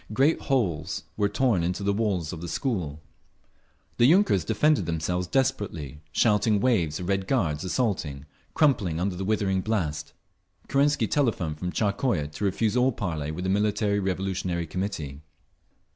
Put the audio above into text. Great holes were torn in the walls of the school. The yunkers defended themselves desperately; shouting waves of Red Guards, assaulting, crumpled under the withering blast…. Kerensky telephoned from Tsarskoye to refuse all parley with the Military Revolutionary Committee.